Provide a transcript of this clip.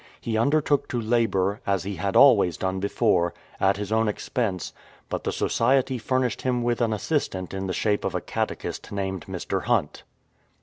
He undertook to labour, as he had always done before, at his own expense, but the Society furnished him with an assistant in the shape of a catechist named Mr. Hunt.